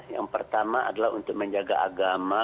yang pertama adalah untuk menjaga agama